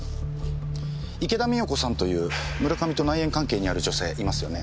池田美代子さんという村上と内縁関係にある女性いますよね？